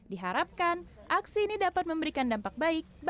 diharapkan aksi ini dapat memberikan dampak baik